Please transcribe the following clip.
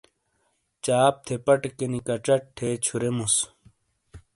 چاپ تھے پٹے کِینِی کچٹ تھے چھُوریموس۔